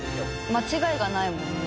間違いがないもんね。